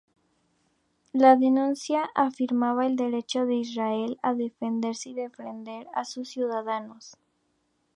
La denuncia afirmaba el derecho de Israel a defenderse y defender a sus ciudadanos.